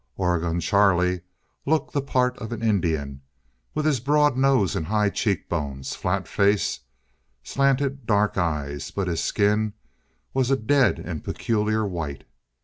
Oregon Charlie looked the part of an Indian, with his broad nose and high cheekbones, flat face, slanted dark eyes; but his skin was a dead and peculiar white.